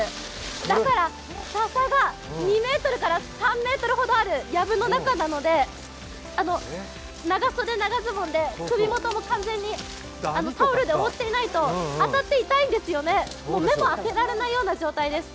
だから、ささが２ｍほどから３ｍほどあるやぶの中なので長袖・長ズボンで首元も完全にタオルで覆っていないと当たって痛いんですよね、目も当てられないような状態です。